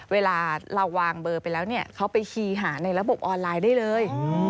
เวลาเราวางเบอร์ไปแล้วเนี่ยเขาไปคีย์หาในระบบออนไลน์ได้เลย